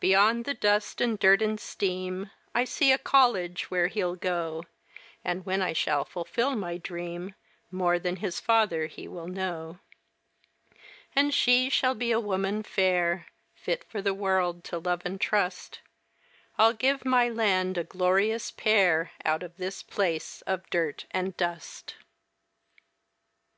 Beyond the dust and dirt and steam I see a college where he'll go; And when I shall fulfill my dream, More than his father he will know; And she shall be a woman fair, Fit for the world to love and trust I'll give my land a glorious pair Out of this place of dirt and dust.